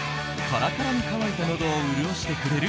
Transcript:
カラカラに渇いたのどを潤してくれる